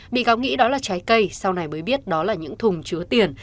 bị cáo nghĩ đó là trái cây sau này mới biết đó là những thùng chứa tiền